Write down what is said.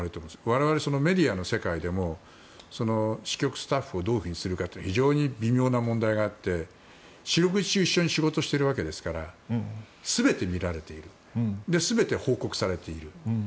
我々、メディアの世界でも支局スタッフをどういうふうにするか非常に微妙な問題があって四六時中一緒に仕事していますから全て見られている全て報告されている。